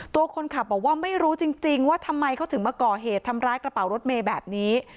ตัวคนขับบอกว่าไม่รู้จริงว่าทำไมเขาถึงมาก่อเหตุทำร้ายกระเป๋ารถเมย์แบบนี้